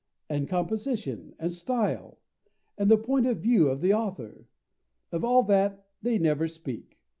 And composition? And style? And the point of view of the author? Of all that they never speak.